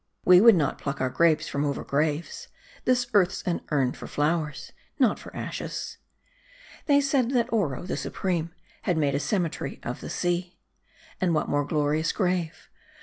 We would not pluck our grapes from over graves. This earth's an urn for flowers, not for ashes." They said that Oro, the supreme, had made a cemetery of the sea. And what more glorious grave